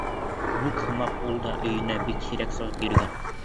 Мук һымаҡ, ул да өйөнән бик һирәк сығып йөрөгән.